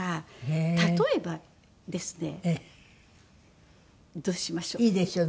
例えばですねどうしましょう？いいですよ。